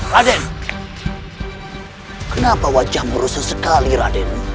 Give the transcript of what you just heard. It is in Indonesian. raden kenapa wajah merusak sekali raden